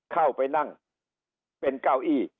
เข้าไปนั่งเป็นเก้าอี้